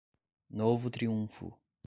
Novo Triunfo